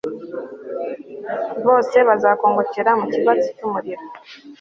bose bazakongokera mu kibatsi cy'umuriro